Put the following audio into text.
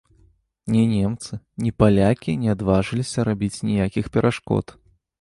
Ні немцы, ні палякі не адважыліся рабіць ніякіх перашкод.